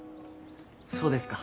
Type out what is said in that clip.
そうですか。